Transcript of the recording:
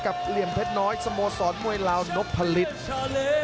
กับเหลี่ยมเพชรน้อยสโมสรมวยลาวนพพลิช